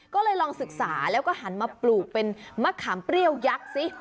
ก็เลยลองศึกษาแล้วก็หันมาปลูกเป็นมะขามเปรี้ยวยักษ์สิ